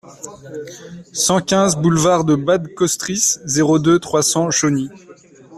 cent quinze boulevard de Bad Kostritz, zéro deux, trois cents, Chauny